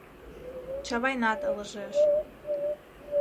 — Чавайнат ылыжеш.